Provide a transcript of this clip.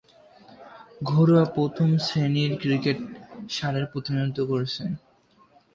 ঘরোয়া প্রথম-শ্রেণীরক্রিকেটে সারের প্রতিনিধিত্ব করেছেন।